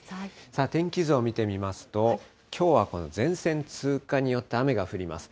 天気図を見てみますと、きょうはこの前線通過によって、雨が降ります。